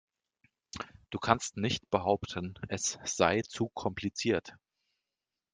Du kannst nicht behaupten, es sei zu kompliziert.